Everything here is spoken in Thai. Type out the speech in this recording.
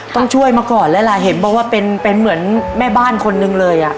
ต้องช่วยมาก่อนแล้วล่ะเห็นบอกว่าเป็นเหมือนแม่บ้านคนหนึ่งเลย